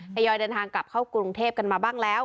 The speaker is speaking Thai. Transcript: ยอยเดินทางกลับเข้ากรุงเทพกันมาบ้างแล้ว